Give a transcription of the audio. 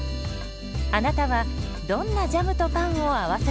あなたはどんなジャムとパンを合わせますか？